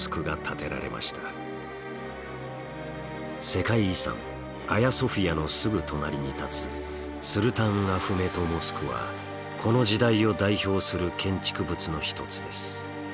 世界遺産アヤソフィアのすぐ隣に建つスルタンアフメト・モスクはこの時代を代表する建築物の一つです。